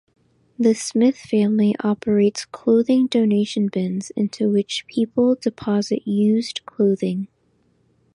The Smith Family operates clothing donation bins, into which people deposit used clothing.